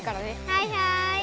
はいはい！